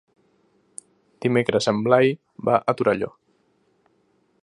Dimecres en Blai va a Torelló.